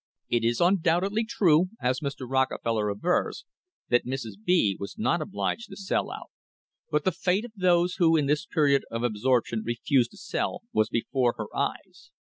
It is undoubtedly true, as Mr. Rockefeller avers, that Mrs. B was not obliged to sell out, but the fate of those who in this period of absorption refused to sell was before her eyes.